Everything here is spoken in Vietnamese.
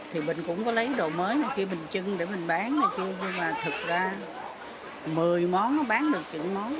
thì mình cũng có lấy đồ mới mình chưng để mình bán nhưng mà thật ra một mươi món nó bán được chừng một món